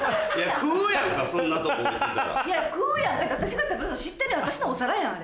「食うやん」って私が食べるの知ってるやん私のお皿やんあれ。